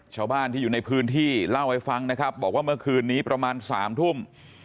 ชาวบ้านที่อยู่ในพื้นที่เล่าให้ฟังนะครับบอกว่าเมื่อคืนนี้ประมาณ๓ทุ่ม